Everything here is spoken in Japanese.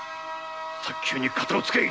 早急に片をつけい！